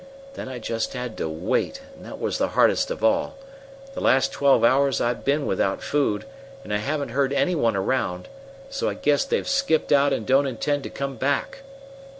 Then I just had to wait, and that was the hardest of all. The last twelve hours I've been without food, and I haven't heard any one around, so I guess they've skipped out and don't intend to come back."